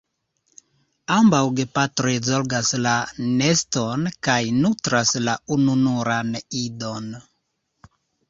Ambaŭ gepatroj zorgas la neston kaj nutras la ununuran idon.